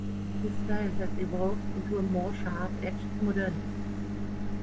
His style has evolved into a more sharp-edged modernity.